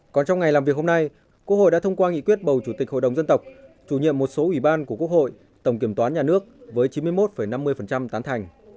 còn trong ngày làm việc hôm nay quốc hội đã thông qua nghị quyết bầu chủ tịch hội đồng dân tộc chủ nhiệm một số ủy ban của quốc hội tổng kiểm toán nhà nước với chín mươi một năm mươi tán thành